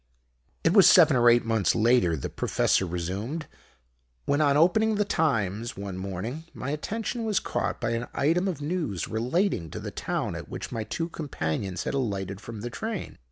"It was seven or eight months later," the Professor resumed, "when on opening the Times one morning my attention was caught by an item of news relating to the town at which my two companions had alighted from the train.